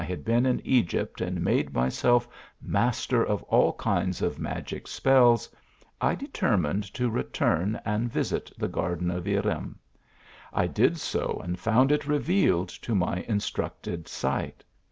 had been in Egypt and made myself master of all kinds of magic spells, I determined to return and visit the garden of Irem. I did so. and found it re vealed to my instructed sight.